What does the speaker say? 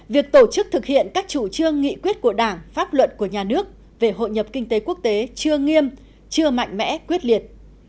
việc tổ chức thực hiện các chủ trương nghị quyết của đảng pháp luật của nhà nước về hội nhập kinh tế quốc tế chưa nghiêm chưa mạnh mẽ quyết liệt